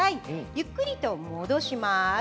ゆっくりと戻します。